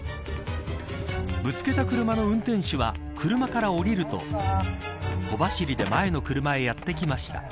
ぶつけた車の運転手は車から降りると小走りで前の車へやってきました。